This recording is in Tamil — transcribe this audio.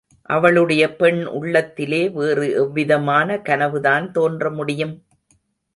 அவளுடைய பெண் உள்ளத்திலே வேறு எவ்விதமான கனவுதான் தோன்ற முடியும்?